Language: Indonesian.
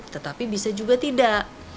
tetapi bisa juga tidak